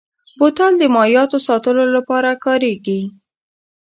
بوتل د مایعاتو ساتلو لپاره کارېږي.